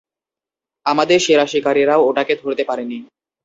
আমাদের সেরা শিকারীরাও ওটাকে ধরতে পারেনি।